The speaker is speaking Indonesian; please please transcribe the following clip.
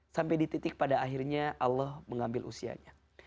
sampai dititik pada akhirnya allah mengambil usianya